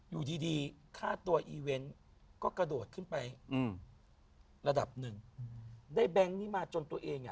อยู่ดีดีฆ่าตัวอีเวนต์ก็กระโดดขึ้นไปอืมระดับหนึ่งได้แบงค์นี้มาจนตัวเองอ่ะ